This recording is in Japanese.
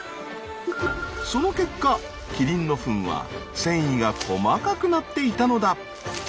その結果キリンのフンは繊維が細かくなっていたのだ。